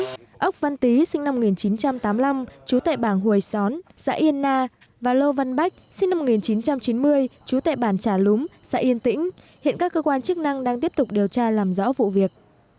xã yên tĩnh ốc văn tí sinh năm một nghìn chín trăm tám mươi năm chú tại bản hùi xón xã yên na và lô văn bách sinh năm một nghìn chín trăm chín mươi chú tại bản trà lúng xã yên tĩnh hiện các cơ quan chức năng đang tiếp tục điều tra làm rõ vụ việc